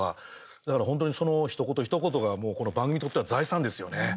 だから本当にひと言ひと言が番組にとっては財産ですよね。